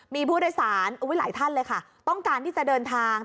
มีผู้โดยสารหลายท่านเลยค่ะต้องการที่จะเดินทาง